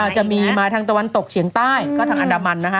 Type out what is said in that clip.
จะมีมาทางตะวันตกเฉียงใต้ก็ทางอันดามันนะคะ